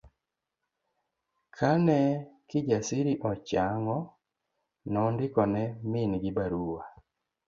Kane Kijasiri ochang'o, nondiko ne min gi barua